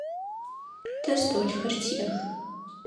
Тэ столхэр тиӏэх.